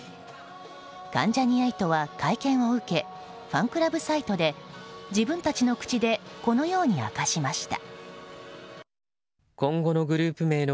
関ジャニ∞は会見を受けファンクラブサイトで自分たちの口でこのように明かしました。